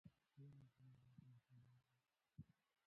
ولې ځینې موخې ناکامه کېږي؟